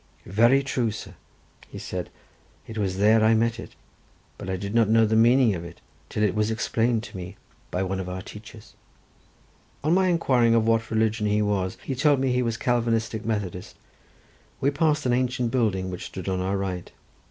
"Very true, sir," said he, "it was there I met it, but I did not know the meaning of it, till it was explained to me by one of our teachers." On my inquiring of what religion he was, he told me he was a Calvinistic Methodist. We passed an ancient building which stood on our right.